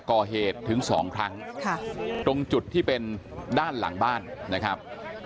ก่อเหตุถึงสองครั้งตรงจุดที่เป็นด้านหลังบ้านนะครับ